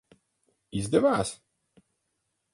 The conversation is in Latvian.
Izdevās?